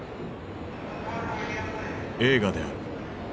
映画である。